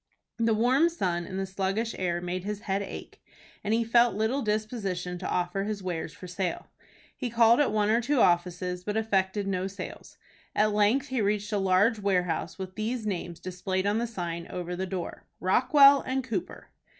The warm sun and the sluggish air made his head ache, and he felt little disposition to offer his wares for sale. He called at one or two offices, but effected no sales. At length he reached a large warehouse with these names displayed on the sign over the door: "ROCKWELL & COOPER."